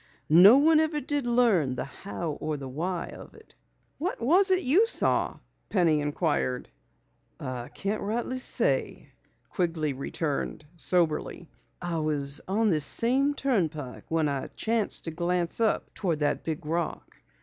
No one ever did learn the how or why of it." "What was it you saw?" Penny inquired. "Can't rightly say," Quigley returned soberly. "I was on this same turnpike when I chanced to glance up toward that big rock.